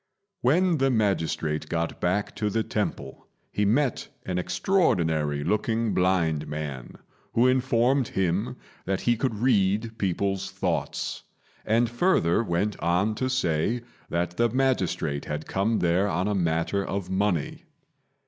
When the magistrate got back to the temple, he met an extraordinary looking blind man, who informed him that he could read people's thoughts, and further went on to say that the magistrate had come there on a matter of money.